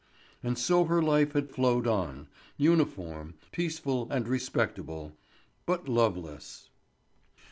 And so her life had flowed on, uniform, peaceful and respectable, but loveless.